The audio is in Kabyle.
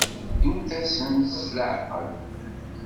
Ddumt-asen s leɛqel.